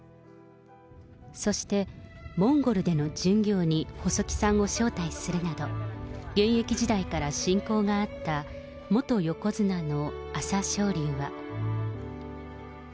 そしてモンゴルでの巡業に細木さんを招待するなど、現役時代から親交があった元横綱の朝青龍は。